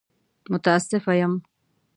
متاسفه يم!